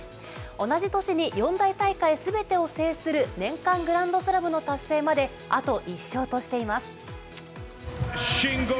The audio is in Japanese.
同じ年に四大大会すべてを制する年間グランドスラムの達成まで、あと１勝としています。